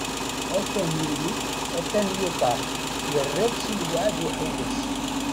At-an yuli, atan yuṭer, yerra-tt i lweεd uḥewwes.